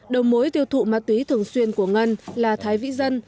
đầu mối tiêu thụ ma túy thường xuyên của ngân là thái vĩ dân